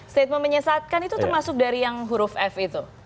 statement menyesatkan itu termasuk dari yang huruf f itu